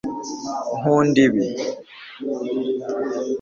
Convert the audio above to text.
nkunda ibi